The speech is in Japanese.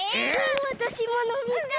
わたしものみたい！